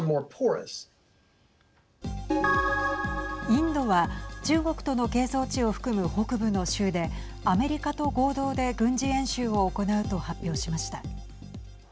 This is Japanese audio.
インドは中国との係争地を含む北部の州でアメリカと合同で軍事演習を行うと発表しました。